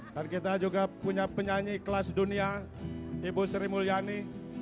dan kita juga punya penyanyi kelas dunia ibu sri mulyani